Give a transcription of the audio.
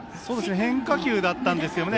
変化球だったんですけどね。